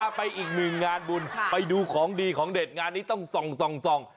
ไปอีกหนึ่งงานบุญไปดูของดีของเด็ดงานนี้ต้องส่องส่อง